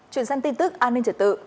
chuyển sang tin tức an ninh trả tự